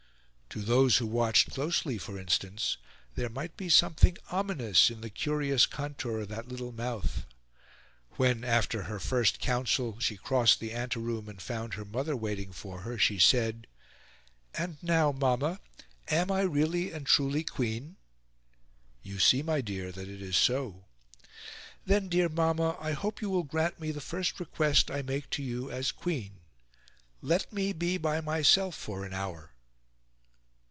To those who watched closely, for instance, there might be something ominous in the curious contour of that little mouth. When, after her first Council, she crossed the ante room and found her mother waiting for her, she said, "And now, Mamma, am I really and truly Queen?" "You see, my dear, that it is so." "Then, dear Mamma, I hope you will grant me the first request I make to you, as Queen. Let me be by myself for an hour."